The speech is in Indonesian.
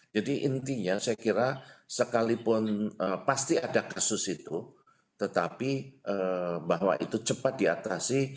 jadi intinya saya kira sekalipun pasti ada kasus itu tetapi bahwa itu cepat diatasi